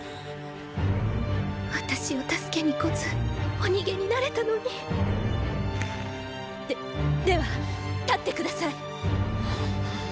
私を助けに来ずお逃げになれたのにででは立って下さい。！